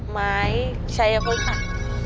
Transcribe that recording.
ไม้ชัยพฤษค่ะ